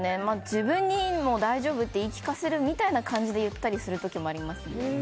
自分にも大丈夫って言い聞かせるように言ったりする時もあります。